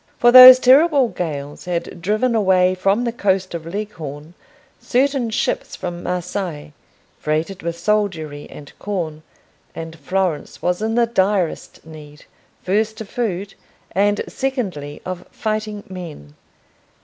For those terrible gales had driven away from the coast of Leghorn certain ships from Marseilles, freighted with soldiery and corn; and Florence was in the direst need, first of food, and secondly of fighting men.